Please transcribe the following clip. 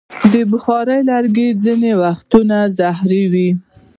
د بخارۍ لوګی ځینې وختونه زهري وي.